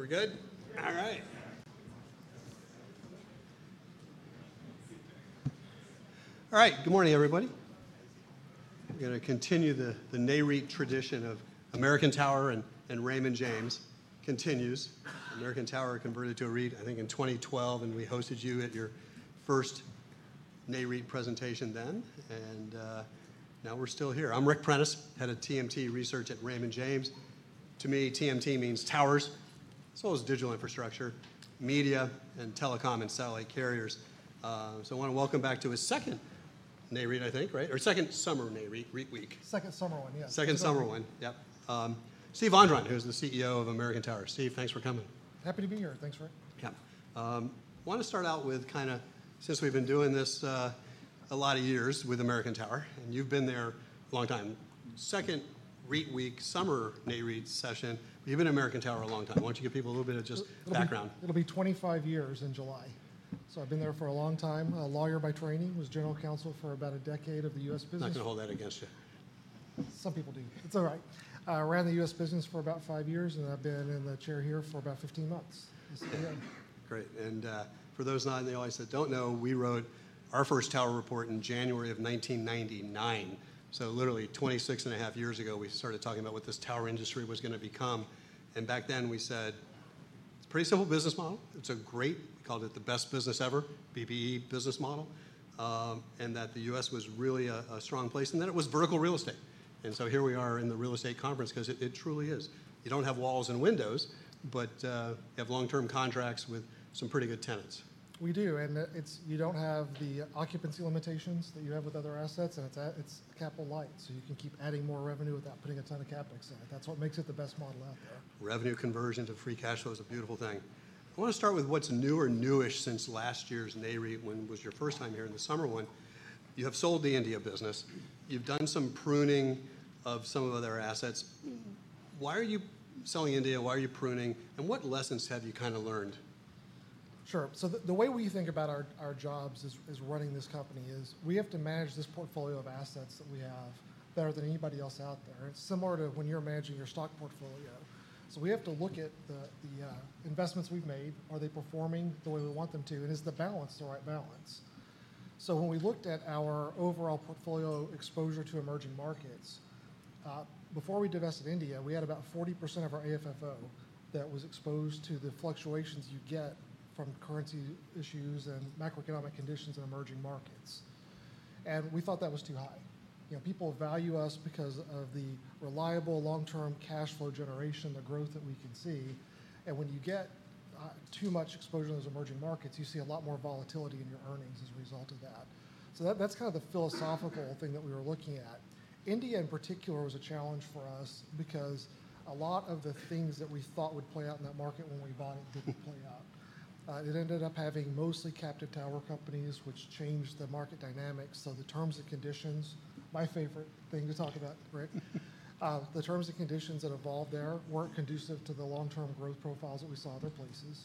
We're good? All right. All right, good morning, everybody. We're going to continue the Nareit tradition of American Tower and Raymond James continues. American Tower converted to a REIT, I think, in 2012, and we hosted you at your first Nareit presentation then. Now we're still here. I'm Ric Prentiss, head of TMT research at Raymond James. To me, TMT means towers, as well as digital infrastructure, media, and telecom and satellite carriers. I want to welcome back to a second Nareit, I think, right? Or second summer Nareit week. Second summer one, yes. Second summer one, yep. Steve Vondran, who's the CEO of American Tower. Steve, thanks for coming. Happy to be here. Thanks, Ric. Yeah. I want to start out with kind of, since we've been doing this a lot of years with American Tower, and you've been there a long time. Second read week, summer Nareit session. You've been at American Tower a long time. Why don't you give people a little bit of just background? It'll be 25 years in July. So I've been there for a long time. Lawyer by training, was general counsel for about a decade of the U.S. business. I can hold that against you. Some people do. It's all right. I ran the U.S. business for about five years, and I've been in the chair here for about 15 months. Great. For those not in the audience that do not know, we wrote our first tower report in January of 1999. Literally 26 and a half years ago, we started talking about what this tower industry was going to become. Back then we said it is a pretty simple business model. It is a great, we called it the best business ever, BBE business model, and that the U.S. was really a strong place. It was vertical real estate. Here we are in the real estate conference because it truly is. You do not have walls and windows, but you have long-term contracts with some pretty good tenants. We do. You do not have the occupancy limitations that you have with other assets, and it is capital light. You can keep adding more revenue without putting a ton of CapEx in it. That is what makes it the best model out there. Revenue conversion to free cash flow is a beautiful thing. I want to start with what's new or newish since last year's Nareit, when it was your first time here in the summer one. You have sold the India business. You've done some pruning of some of their assets. Why are you selling India? Why are you pruning? And what lessons have you kind of learned? Sure. The way we think about our jobs as running this company is we have to manage this portfolio of assets that we have better than anybody else out there. It is similar to when you are managing your stock portfolio. We have to look at the investments we have made. Are they performing the way we want them to? Is the balance the right balance? When we looked at our overall portfolio exposure to emerging markets, before we divested India, we had about 40% of our AFFO that was exposed to the fluctuations you get from currency issues and macroeconomic conditions in emerging markets. We thought that was too high. People value us because of the reliable long-term cash flow generation, the growth that we can see. When you get too much exposure in those emerging markets, you see a lot more volatility in your earnings as a result of that. That is kind of the philosophical thing that we were looking at. India, in particular, was a challenge for us because a lot of the things that we thought would play out in that market when we bought it did not play out. It ended up having mostly captive tower companies, which changed the market dynamics. The terms and conditions, my favorite thing to talk about, Ric, the terms and conditions that evolved there were not conducive to the long-term growth profiles that we saw other places.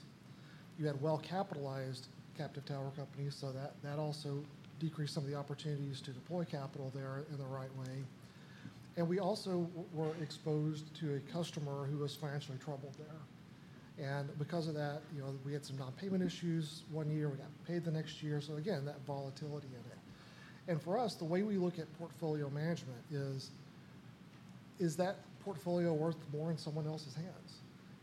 You had well-capitalized captive tower companies, so that also decreased some of the opportunities to deploy capital there in the right way. We also were exposed to a customer who was financially troubled there. Because of that, we had some non-payment issues one year. We got paid the next year. Again, that volatility in it. For us, the way we look at portfolio management is, is that portfolio worth more in someone else's hands?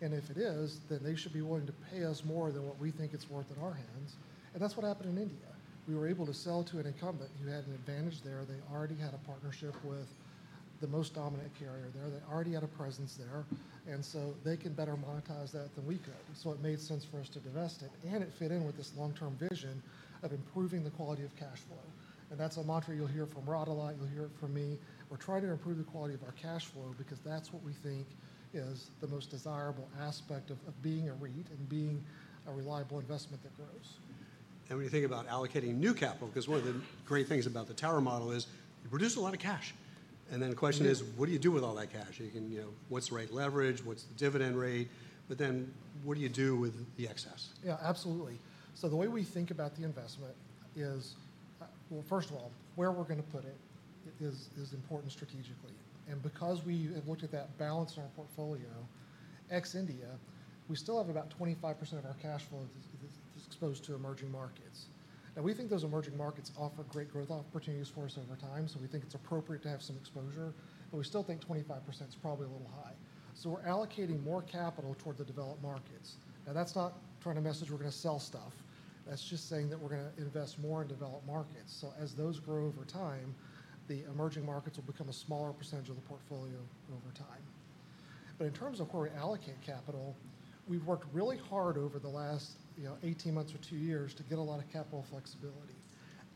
If it is, then they should be willing to pay us more than what we think it's worth in our hands. That's what happened in India. We were able to sell to an incumbent who had an advantage there. They already had a partnership with the most dominant carrier there. They already had a presence there. They can better monetize that than we could. It made sense for us to divest it. It fit in with this long-term vision of improving the quality of cash flow. That's a mantra you'll hear from Rod a lot. You'll hear it from me. We're trying to improve the quality of our cash flow because that's what we think is the most desirable aspect of being a REIT and being a reliable investment that grows. When you think about allocating new capital, because one of the great things about the tower model is you produce a lot of cash. The question is, what do you do with all that cash? What is the right leverage? What is the dividend rate? What do you do with the excess? Yeah, absolutely. The way we think about the investment is, first of all, where we're going to put it is important strategically. Because we have looked at that balance in our portfolio, ex-India, we still have about 25% of our cash flow exposed to emerging markets. We think those emerging markets offer great growth opportunities for us over time. We think it's appropriate to have some exposure. We still think 25% is probably a little high. We're allocating more capital toward the developed markets. That's not trying to message we're going to sell stuff. That's just saying that we're going to invest more in developed markets. As those grow over time, the emerging markets will become a smaller percentage of the portfolio over time. In terms of where we allocate capital, we've worked really hard over the last 18 months or two years to get a lot of capital flexibility.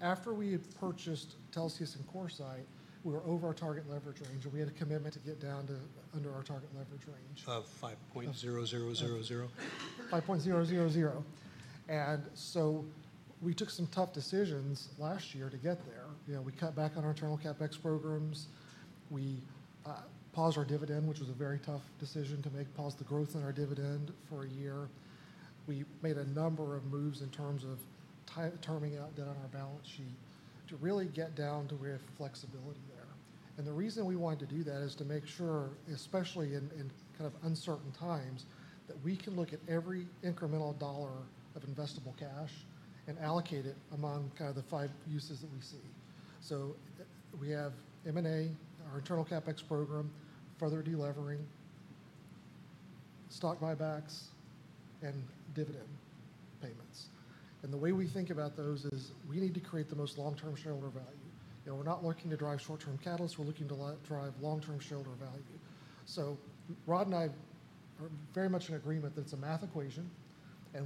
After we had purchased Telxius and CoreSite, we were over our target leverage range. We had a commitment to get down to under our target leverage range. Of 5.0000? $5.000. And so we took some tough decisions last year to get there. We cut back on our internal CapEx programs. We paused our dividend, which was a very tough decision to make, paused the growth in our dividend for a year. We made a number of moves in terms of terming out debt on our balance sheet to really get down to where we have flexibility there. The reason we wanted to do that is to make sure, especially in kind of uncertain times, that we can look at every incremental dollar of investable cash and allocate it among kind of the five uses that we see. We have M&A, our internal CapEx program, further delevering, stock buybacks, and dividend payments. The way we think about those is we need to create the most long-term shareholder value. We're not looking to drive short-term catalysts. We're looking to drive long-term shareholder value. Rod and I are very much in agreement that it's a math equation.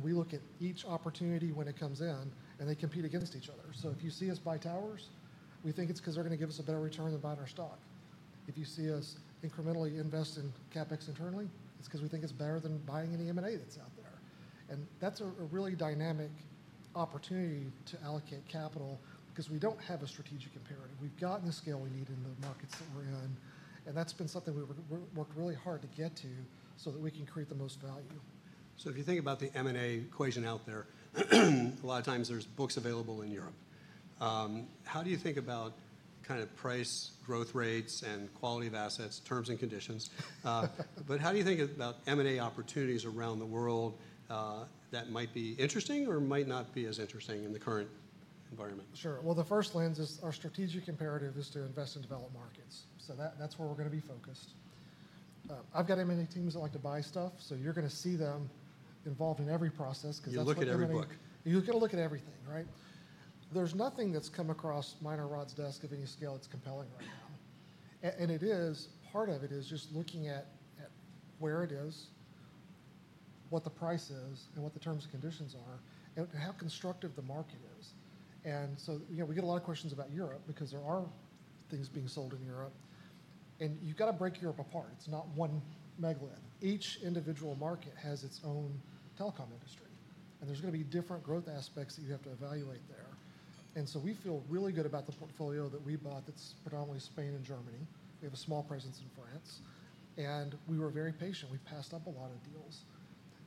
We look at each opportunity when it comes in, and they compete against each other. If you see us buy towers, we think it's because they're going to give us a better return than buying our stock. If you see us incrementally invest in CapEx internally, it's because we think it's better than buying any M&A that's out there. That's a really dynamic opportunity to allocate capital because we don't have a strategic imperative. We've gotten the scale we need in the markets that we're in. That's been something we've worked really hard to get to so that we can create the most value. If you think about the M&A equation out there, a lot of times there's books available in Europe. How do you think about kind of price, growth rates, and quality of assets, terms and conditions? How do you think about M&A opportunities around the world that might be interesting or might not be as interesting in the current environment? Sure. The first lens is our strategic imperative is to invest in developed markets. That is where we are going to be focused. I have got M&A teams that like to buy stuff. You are going to see them involved in every process because that is what we are doing. You look at every book. You're going to look at everything, right? There's nothing that's come across Rod's desk of any scale that's compelling right now. It is part of it is just looking at where it is, what the price is, and what the terms and conditions are, and how constructive the market is. We get a lot of questions about Europe because there are things being sold in Europe. You've got to break Europe apart. It's not one megalith. Each individual market has its own telecom industry. There's going to be different growth aspects that you have to evaluate there. We feel really good about the portfolio that we bought that's predominantly Spain and Germany. We have a small presence in France. We were very patient. We passed up a lot of deals.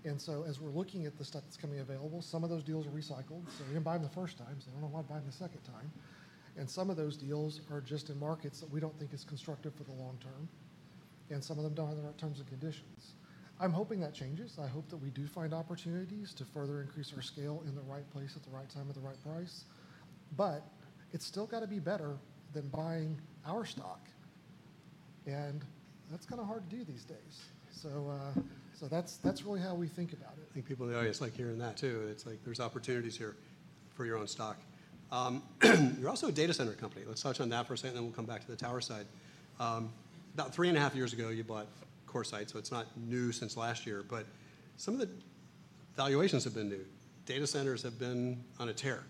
As we're looking at the stuff that's coming available, some of those deals are recycled. They didn't buy them the first time. They don't know why to buy them the second time. Some of those deals are just in markets that we don't think are constructive for the long term. Some of them don't have the right terms and conditions. I'm hoping that changes. I hope that we do find opportunities to further increase our scale in the right place at the right time at the right price. It still has to be better than buying our stock. That's kind of hard to do these days. That's really how we think about it. I think people in the audience like hearing that too. It's like there's opportunities here for your own stock. You're also a data center company. Let's touch on that for a second, and then we'll come back to the tower side. About three and a half years ago, you bought CoreSite. So it's not new since last year. Some of the valuations have been new. Data centers have been on a tear.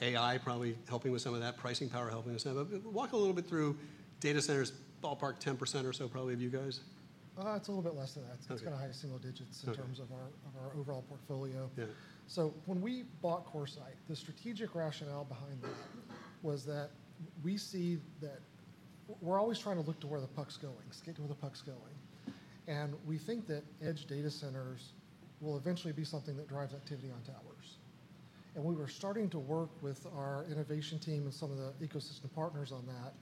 AI probably helping with some of that. Pricing power helping us. Walk a little bit through data centers, ballpark 10% or so probably of you guys. It's a little bit less than that. It's kind of high single digits in terms of our overall portfolio. When we bought CoreSite, the strategic rationale behind that was that we see that we're always trying to look to where the puck's going, skate to where the puck's going. We think that edge data centers will eventually be something that drives activity on towers. We were starting to work with our innovation team and some of the ecosystem partners on that.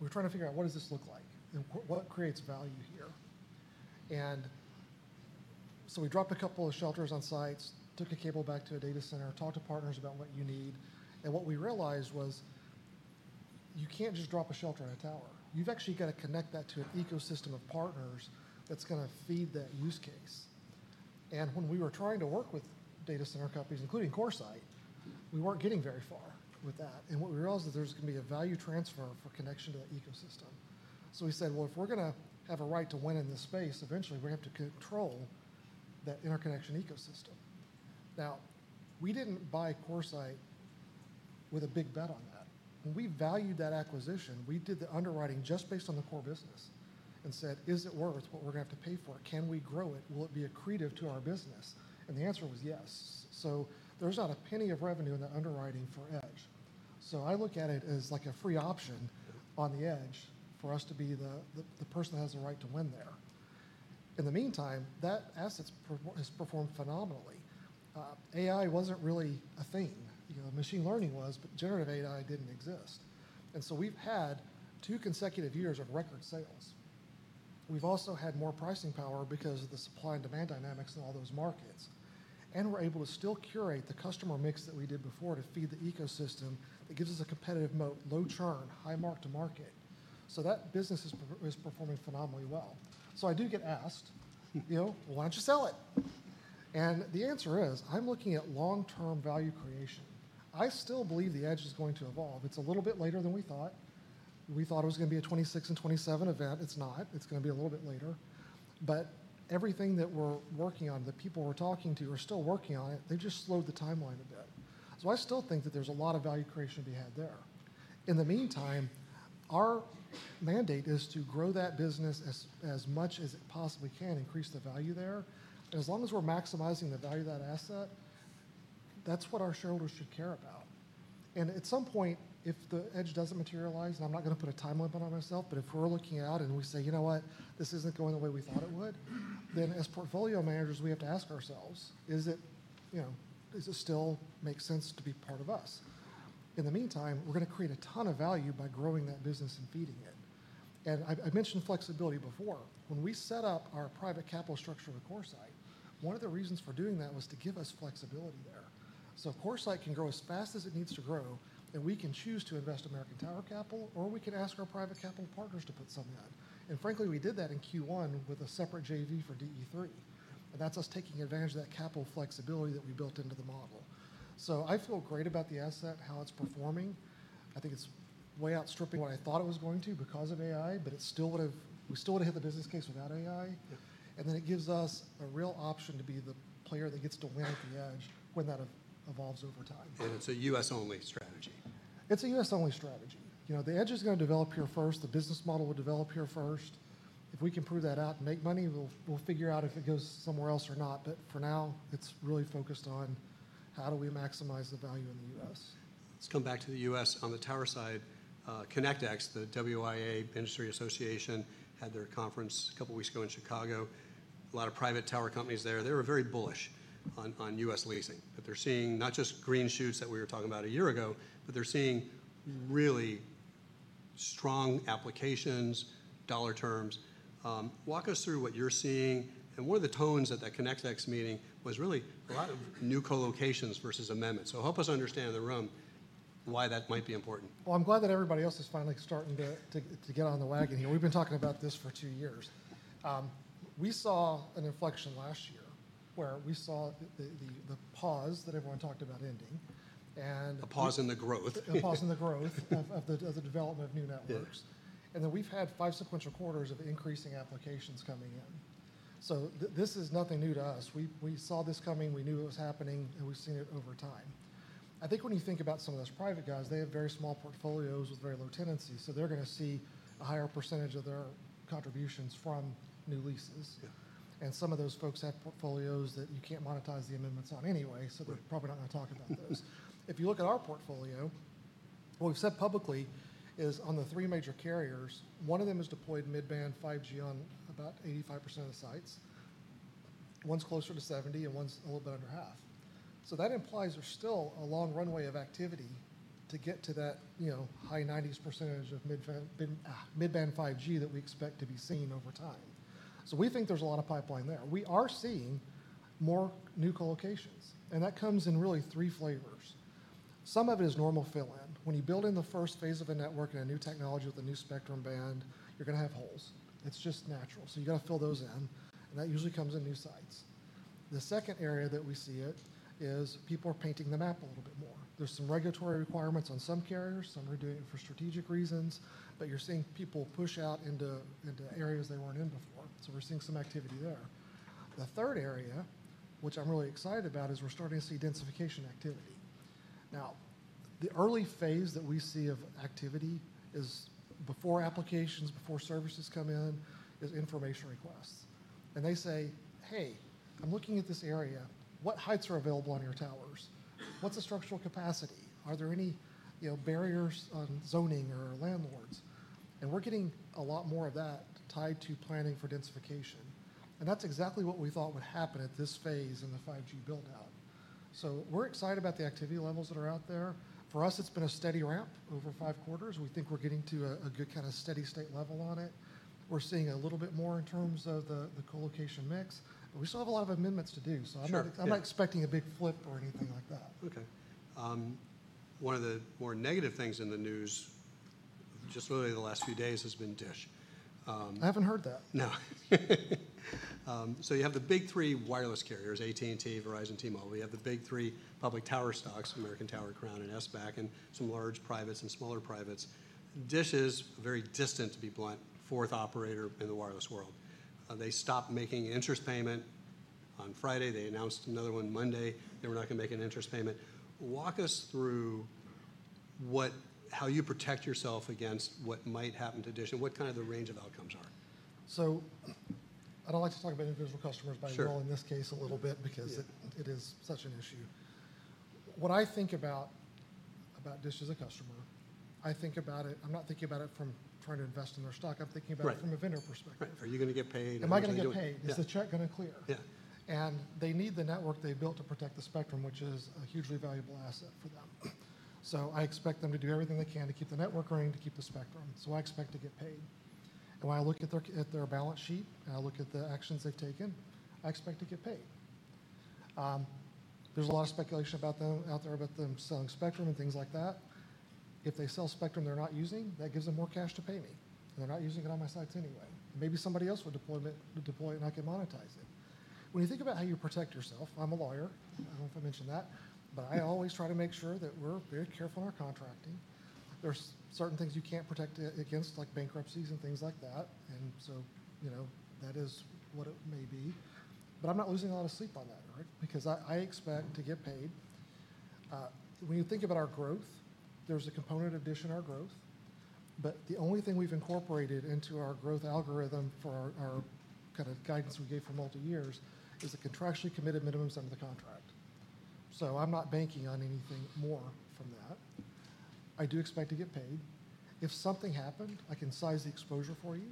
We're trying to figure out what does this look like and what creates value here. We dropped a couple of shelters on sites, took a cable back to a data center, talked to partners about what you need. What we realized was you can't just drop a shelter on a tower. You've actually got to connect that to an ecosystem of partners that's going to feed that use case. When we were trying to work with data center companies, including CoreSite, we weren't getting very far with that. What we realized is there's going to be a value transfer for connection to the ecosystem. We said, if we're going to have a right to win in this space, eventually we're going to have to control that interconnection ecosystem. We didn't buy CoreSite with a big bet on that. When we valued that acquisition, we did the underwriting just based on the core business and said, is it worth what we're going to have to pay for it? Can we grow it? Will it be accretive to our business? The answer was yes. There's not a penny of revenue in the underwriting for edge. I look at it as like a free option on the edge for us to be the person that has the right to win there. In the meantime, that asset has performed phenomenally. AI was not really a thing. Machine learning was, but generative AI did not exist. We have had two consecutive years of record sales. We have also had more pricing power because of the supply and demand dynamics in all those markets. We are able to still curate the customer mix that we did before to feed the ecosystem that gives us a competitive moat, low churn, high mark to market. That business is performing phenomenally well. I do get asked, why do not you sell it? The answer is I am looking at long-term value creation. I still believe the edge is going to evolve. It is a little bit later than we thought. We thought it was going to be a 2026 and 2027 event. It is not. It is going to be a little bit later. Everything that we are working on, the people we are talking to, are still working on it. They have just slowed the timeline a bit. I still think that there is a lot of value creation to be had there. In the meantime, our mandate is to grow that business as much as it possibly can, increase the value there. As long as we are maximizing the value of that asset, that is what our shareholders should care about. At some point, if the edge does not materialize, and I am not going to put a time limit on myself, but if we are looking out and we say, you know what, this is not going the way we thought it would, then as portfolio managers, we have to ask ourselves, does it still make sense to be part of us? In the meantime, we are going to create a ton of value by growing that business and feeding it. I mentioned flexibility before. When we set up our private capital structure with CoreSite, one of the reasons for doing that was to give us flexibility there. CoreSite can grow as fast as it needs to grow, and we can choose to invest American Tower capital, or we can ask our private capital partners to put some in. Frankly, we did that in Q1 with a separate JV for DE3. That is us taking advantage of that capital flexibility that we built into the model. I feel great about the asset, how it is performing. I think it is way outstripping what I thought it was going to because of AI, but we still would have hit the business case without AI. It gives us a real option to be the player that gets to win at the edge when that evolves over time. It is a U.S.-only strategy. It's a U.S.-only strategy. The edge is going to develop here first. The business model will develop here first. If we can prove that out and make money, we'll figure out if it goes somewhere else or not. For now, it's really focused on how do we maximize the value in the U.S. Let's come back to the U.S. On the tower side, ConnectX, the WIA Industry Association, had their conference a couple of weeks ago in Chicago. A lot of private tower companies there. They were very bullish on U.S. leasing. They're seeing not just green shoots that we were talking about a year ago, they're seeing really strong applications, dollar terms. Walk us through what you're seeing. One of the tones at that ConnectX meeting was really a lot of new colocations versus amendments. Help us understand in the room why that might be important. I'm glad that everybody else is finally starting to get on the wagon. We've been talking about this for two years. We saw an inflection last year where we saw the pause that everyone talked about ending. A pause in the growth. A pause in the growth of the development of new networks. We have had five sequential quarters of increasing applications coming in. This is nothing new to us. We saw this coming. We knew it was happening. We have seen it over time. I think when you think about some of those private guys, they have very small portfolios with very low tenancies. They are going to see a higher percentage of their contributions from new leases. Some of those folks have portfolios that you cannot monetize the amendments on anyway. They are probably not going to talk about those. If you look at our portfolio, what we have said publicly is on the three major carriers, one of them has deployed mid-band 5G on about 85% of the sites. One is closer to 70% and one is a little bit under half. That implies there's still a long runway of activity to get to that high 90% of mid-band 5G that we expect to be seen over time. We think there's a lot of pipeline there. We are seeing more new colocations. That comes in really three flavors. Some of it is normal fill-in. When you build in the first phase of a network and a new technology with a new spectrum band, you're going to have holes. It's just natural. You have to fill those in. That usually comes in new sites. The second area that we see is people are painting the map a little bit more. There are some regulatory requirements on some carriers. Some are doing it for strategic reasons. You're seeing people push out into areas they were not in before. We are seeing some activity there. The third area, which I'm really excited about, is we're starting to see densification activity. Now, the early phase that we see of activity is before applications, before services come in, is information requests. They say, hey, I'm looking at this area. What heights are available on your towers? What's the structural capacity? Are there any barriers on zoning or landlords? We're getting a lot more of that tied to planning for densification. That's exactly what we thought would happen at this phase in the 5G build-out. We're excited about the activity levels that are out there. For us, it's been a steady ramp over five quarters. We think we're getting to a good kind of steady state level on it. We're seeing a little bit more in terms of the colocation mix. We still have a lot of amendments to do. I'm not expecting a big flip or anything like that. Okay. One of the more negative things in the news just literally the last few days has been DISH. I haven't heard that. No. You have the big three wireless carriers, AT&T, Verizon, T-Mobile. You have the big three public tower stocks, American Tower, Crown, and SBAC, and some large privates and smaller privates. DISH is a very distant, to be blunt, fourth operator in the wireless world. They stopped making an interest payment on Friday. They announced another one Monday. They were not going to make an interest payment. Walk us through how you protect yourself against what might happen to DISH and what kind of the range of outcomes are. I do not like to talk about individual customers, but I will in this case a little bit because it is such an issue. What I think about DISH as a customer, I think about it, I am not thinking about it from trying to invest in their stock. I am thinking about it from a vendor perspective. Are you going to get paid? Am I going to get paid? Is the check going to clear? Yeah. They need the network they built to protect the spectrum, which is a hugely valuable asset for them. I expect them to do everything they can to keep the network running, to keep the spectrum. I expect to get paid. When I look at their balance sheet and I look at the actions they have taken, I expect to get paid. There is a lot of speculation out there about them selling spectrum and things like that. If they sell spectrum they are not using, that gives them more cash to pay me. They are not using it on my sites anyway. Maybe somebody else would deploy it and I could monetize it. When you think about how you protect yourself, I am a lawyer. I do not know if I mentioned that. I always try to make sure that we are very careful in our contracting. are certain things you cannot protect against, like bankruptcies and things like that. That is what it may be. I am not losing a lot of sleep on that, right? I expect to get paid. When you think about our growth, there is a component of DISH in our growth. The only thing we have incorporated into our growth algorithm for our kind of guidance we gave for multiple years is the contractually committed minimums under the contract. I am not banking on anything more from that. I do expect to get paid. If something happened, I can size the exposure for you.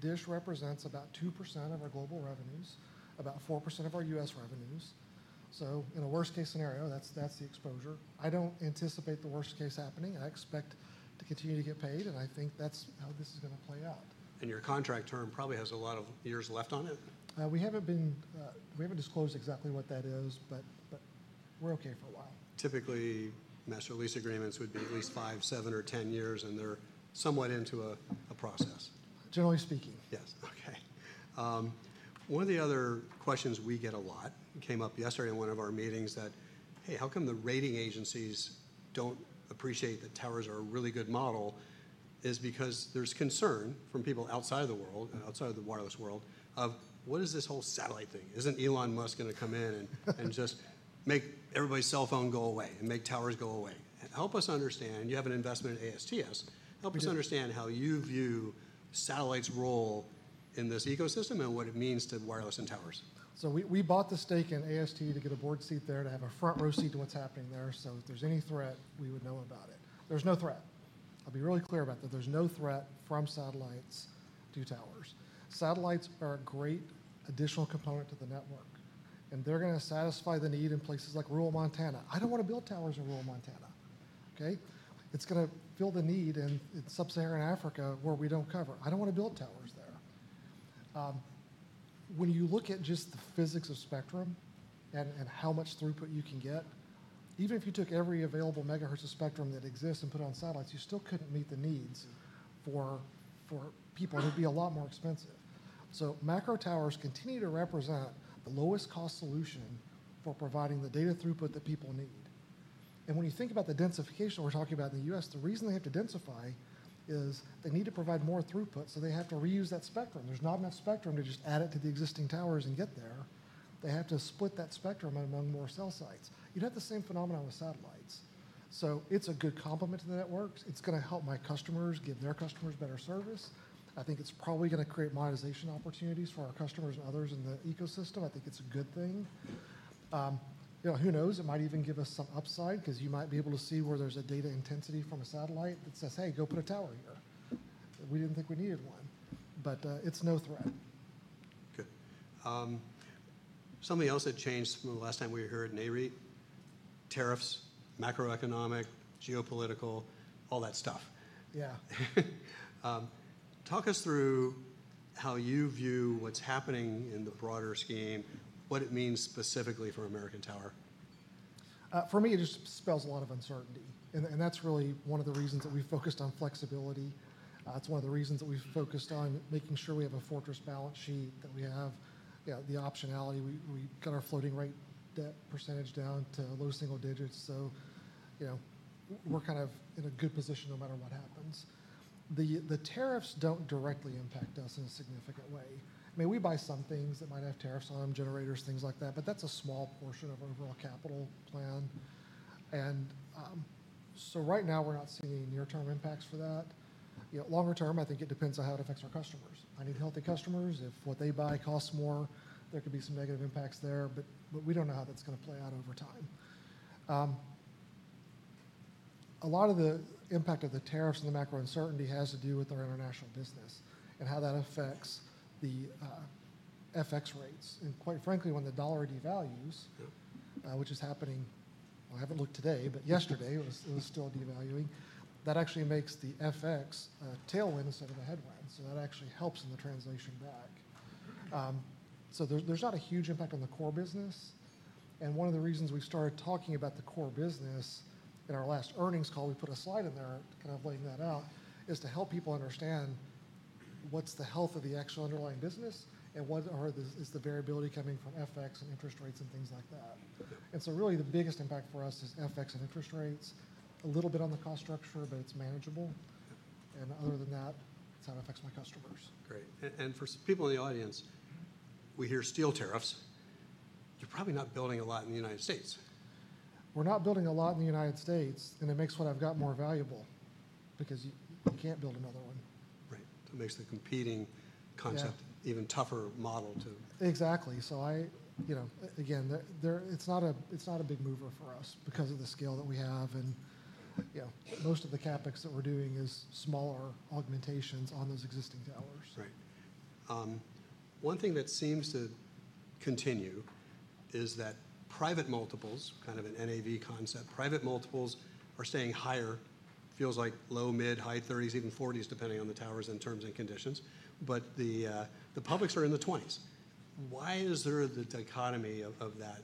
DISH represents about 2% of our global revenues, about 4% of our U.S. revenues. In a worst-case scenario, that is the exposure. I do not anticipate the worst-case happening. I expect to continue to get paid. I think that's how this is going to play out. Your contract term probably has a lot of years left on it. We haven't disclosed exactly what that is, but we're okay for a while. Typically, master lease agreements would be at least five, seven, or 10 years, and they're somewhat into a process. Generally speaking. Yes. Okay. One of the other questions we get a lot, it came up yesterday in one of our meetings, that, hey, how come the rating agencies do not appreciate that towers are a really good model? It is because there is concern from people outside of the world, outside of the wireless world, of what is this whole satellite thing? Is not Elon Musk going to come in and just make everybody's cell phone go away and make towers go away? Help us understand, you have an investment in ASTS. Help us understand how you view satellites' role in this ecosystem and what it means to wireless and towers. We bought the stake in AST to get a board seat there to have a front row seat to what's happening there. If there's any threat, we would know about it. There's no threat. I'll be really clear about that. There's no threat from satellites to towers. Satellites are a great additional component to the network. They're going to satisfy the need in places like rural Montana. I don't want to build towers in rural Montana. It's going to fill the need in sub-Saharan Africa where we don't cover. I don't want to build towers there. When you look at just the physics of spectrum and how much throughput you can get, even if you took every available megahertz of spectrum that exists and put it on satellites, you still couldn't meet the needs for people. It would be a lot more expensive. Macro towers continue to represent the lowest-cost solution for providing the data throughput that people need. When you think about the densification we're talking about in the U.S., the reason they have to densify is they need to provide more throughput. They have to reuse that spectrum. There's not enough spectrum to just add it to the existing towers and get there. They have to split that spectrum among more cell sites. You'd have the same phenomenon with satellites. It's a good complement to the networks. It's going to help my customers give their customers better service. I think it's probably going to create monetization opportunities for our customers and others in the ecosystem. I think it's a good thing. Who knows? It might even give us some upside because you might be able to see where there's a data intensity from a satellite that says, hey, go put a tower here. We didn't think we needed one. It is no threat. Good. Something else that changed from the last time we were here at Nareit, tariffs, macroeconomic, geopolitical, all that stuff. Yeah. Talk us through how you view what's happening in the broader scheme, what it means specifically for American Tower. For me, it just spells a lot of uncertainty. That is really one of the reasons that we have focused on flexibility. That is one of the reasons that we have focused on making sure we have a fortress balance sheet, that we have the optionality. We got our floating rate percentage down to low single digits. We are kind of in a good position no matter what happens. The tariffs do not directly impact us in a significant way. I mean, we buy some things that might have tariffs on them, generators, things like that. That is a small portion of our overall capital plan. Right now, we are not seeing any near-term impacts for that. Longer term, I think it depends on how it affects our customers. I need healthy customers. If what they buy costs more, there could be some negative impacts there. We do not know how that is going to play out over time. A lot of the impact of the tariffs and the macro uncertainty has to do with our international business and how that affects the FX rates. Quite frankly, when the dollar devalues, which is happening, I have not looked today, but yesterday it was still devaluing, that actually makes the FX a tailwind instead of a headwind. That actually helps in the translation back. There is not a huge impact on the core business. One of the reasons we started talking about the core business in our last earnings call, we put a slide in there kind of laying that out, is to help people understand what is the health of the actual underlying business and what is the variability coming from FX and interest rates and things like that. Really the biggest impact for us is FX and interest rates, a little bit on the cost structure, but it's manageable. Other than that, it's how it affects my customers. Great. For people in the audience, we hear steel tariffs. You're probably not building a lot in the United States. We're not building a lot in the United States. It makes what I've got more valuable because you can't build another one. Right. It makes the competing concept an even tougher model too. Exactly. Again, it's not a big mover for us because of the scale that we have. Most of the CapEx that we're doing is smaller augmentations on those existing towers. Right. One thing that seems to continue is that private multiples, kind of an NAV concept, private multiples are staying higher, feels like low, mid, high 30s, even 40s depending on the towers and terms and conditions. The publics are in the 20s. Why is there the dichotomy of that?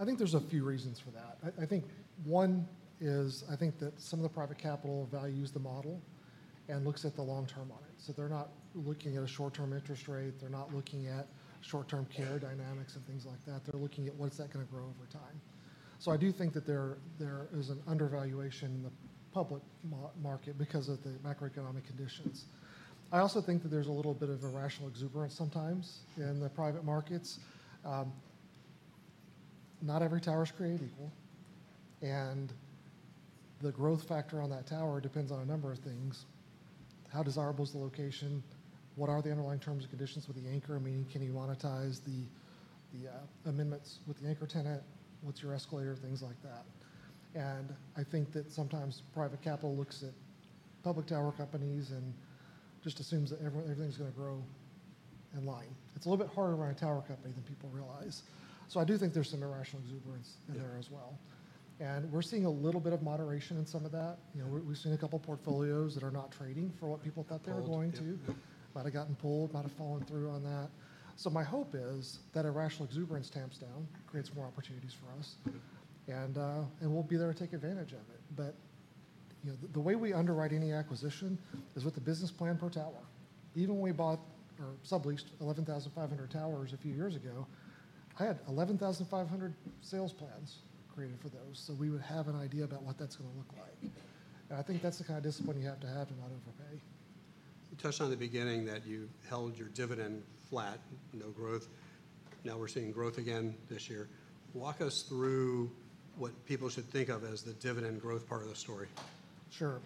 I think there's a few reasons for that. I think one is I think that some of the private capital values the model and looks at the long term on it. They're not looking at a short-term interest rate. They're not looking at short-term carrier dynamics and things like that. They're looking at what's that going to grow over time. I do think that there is an undervaluation in the public market because of the macroeconomic conditions. I also think that there's a little bit of irrational exuberance sometimes in the private markets. Not every tower is created equal. The growth factor on that tower depends on a number of things. How desirable is the location? What are the underlying terms and conditions with the anchor, meaning can you monetize the amendments with the anchor tenant? What's your escalator? Things like that. I think that sometimes private capital looks at public tower companies and just assumes that everything's going to grow in line. It's a little bit harder around a tower company than people realize. I do think there's some irrational exuberance in there as well. We're seeing a little bit of moderation in some of that. We've seen a couple of portfolios that are not trading for what people thought they were going to. Might have gotten pulled, might have fallen through on that. My hope is that irrational exuberance tamps down, creates more opportunities for us. We'll be there to take advantage of it. The way we underwrite any acquisition is with the business plan per tower. Even when we bought or subleased 11,500 towers a few years ago, I had 11,500 sales plans created for those. We would have an idea about what that's going to look like. I think that's the kind of discipline you have to have to not overpay. You touched on the beginning that you held your dividend flat, no growth. Now we are seeing growth again this year. Walk us through what people should think of as the dividend growth part of the story. Sure.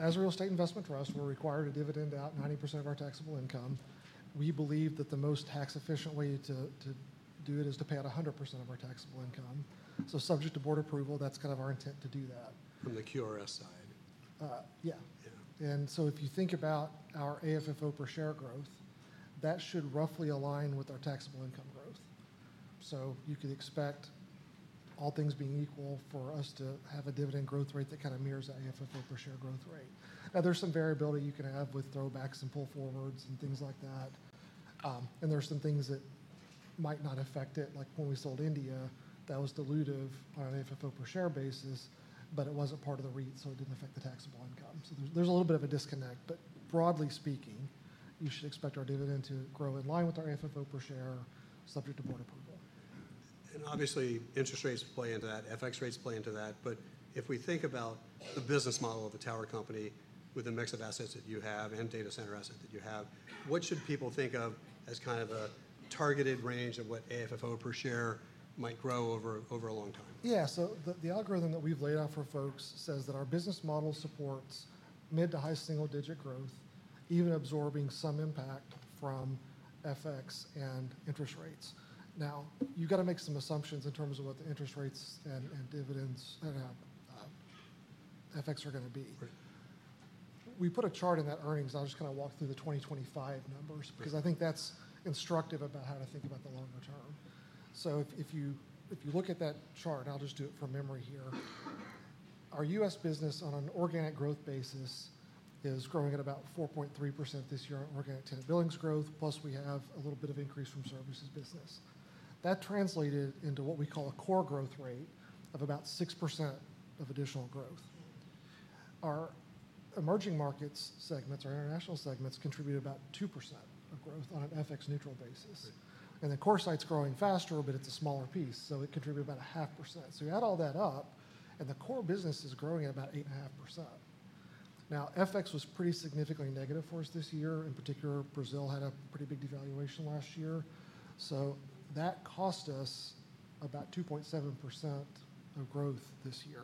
As a real estate investment trust, we're required to dividend out 90% of our taxable income. We believe that the most tax-efficient way to do it is to pay out 100% of our taxable income. Subject to board approval, that's kind of our intent to do that. From the QRS side. Yeah. If you think about our AFFO per share growth, that should roughly align with our taxable income growth. You could expect, all things being equal, for us to have a dividend growth rate that kind of mirrors the AFFO per share growth rate. There is some variability you can have with throwbacks and pull forwards and things like that. There are some things that might not affect it. Like when we sold India, that was dilutive on an AFFO per share basis, but it was not part of the REIT, so it did not affect the taxable income. There is a little bit of a disconnect. Broadly speaking, you should expect our dividend to grow in line with our AFFO per share, subject to board approval. Obviously, interest rates play into that. FX rates play into that. If we think about the business model of a tower company with the mix of assets that you have and data center assets that you have, what should people think of as kind of a targeted range of what AFFO per share might grow over a long time? Yeah. So the algorithm that we've laid out for folks says that our business model supports mid to high single-digit growth, even absorbing some impact from FX and interest rates. Now, you've got to make some assumptions in terms of what the interest rates and dividends and FX are going to be. We put a chart in that earnings. I'll just kind of walk through the 2025 numbers because I think that's instructive about how to think about the longer term. If you look at that chart, I'll just do it from memory here. Our U.S. business on an organic growth basis is growing at about 4.3% this year on organic tenant billings growth, plus we have a little bit of increase from services business. That translated into what we call a core growth rate of about 6% of additional growth. Our emerging markets segments, our international segments contribute about 2% of growth on an FX neutral basis. The CoreSite's growing faster, but it's a smaller piece. It contributed about 0.5%. You add all that up, and the core business is growing at about 8.5%. FX was pretty significantly negative for us this year. In particular, Brazil had a pretty big devaluation last year. That cost us about 2.7% of growth this year.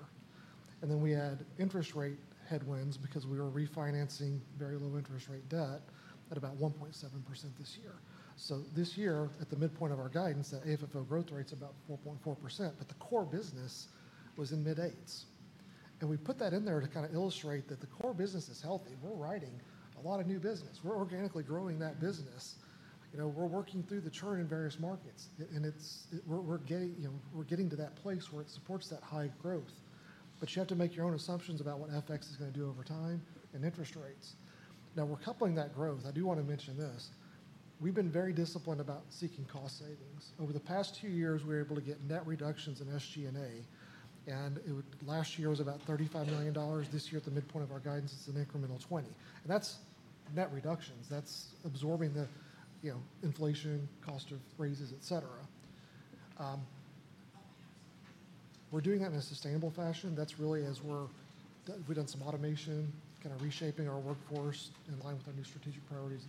We had interest rate headwinds because we were refinancing very low interest rate debt at about 1.7% this year. This year, at the midpoint of our guidance, the AFFO growth rate's about 4.4%. The core business was in mid-eights. We put that in there to kind of illustrate that the core business is healthy. We're writing a lot of new business. We're organically growing that business. We're working through the churn in various markets. We're getting to that place where it supports that high growth. You have to make your own assumptions about what FX is going to do over time and interest rates. Now, we're coupling that growth. I do want to mention this. We've been very disciplined about seeking cost savings. Over the past two years, we were able to get net reductions in SG&A. Last year was about $35 million. This year, at the midpoint of our guidance, it's an incremental $20 million. That's net reductions. That's absorbing the inflation, cost of raises, etc. We're doing that in a sustainable fashion. That's really as we've done some automation, kind of reshaping our workforce in line with our new strategic priorities,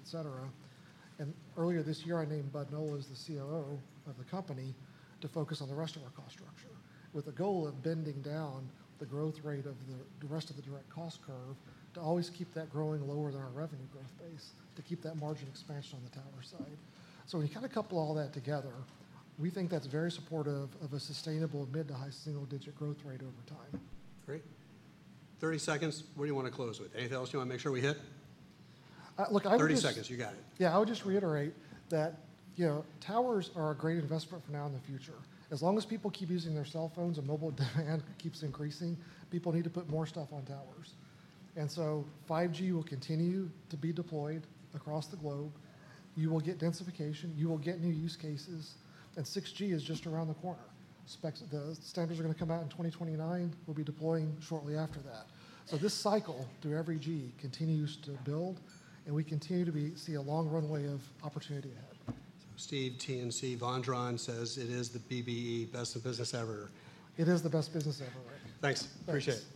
etc. Earlier this year, I named Bud Noel as the COO of the company to focus on the rest of our cost structure with the goal of bending down the growth rate of the rest of the direct cost curve to always keep that growing lower than our revenue growth base to keep that margin expansion on the tower side. When you kind of couple all that together, we think that's very supportive of a sustainable mid to high single-digit growth rate over time. Great. Thirty seconds. What do you want to close with? Anything else you want to make sure we hit? Look, I would just. Thirty seconds. You got it. Yeah. I would just reiterate that towers are a great investment for now and the future. As long as people keep using their cell phones and mobile demand keeps increasing, people need to put more stuff on towers. 5G will continue to be deployed across the globe. You will get densification. You will get new use cases. 6G is just around the corner. The standards are going to come out in 2029. We will be deploying shortly after that. This cycle through every G continues to build. We continue to see a long runway of opportunity ahead. Steve Vondran says it is the BBE best in business ever. It is the best business ever, Ric. Thanks. Appreciate it.